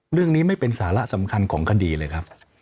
เรื่องนี้ไม่เป็นสาระสำคัญของคดีเลยครับ